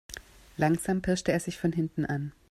Langsam pirschte er sich von hinten an.